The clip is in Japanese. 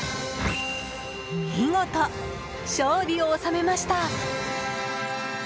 見事、勝利を収めました！